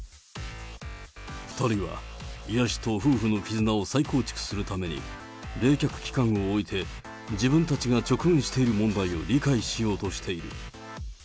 ２人は癒やしと夫婦の絆を再構築するために、冷却期間を置いて、自分たちが直面している問題を理解しようとしている。